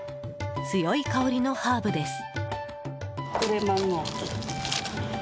強い香りのハーブです。